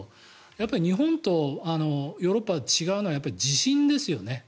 やっぱり日本とヨーロッパで違うのは地震ですよね。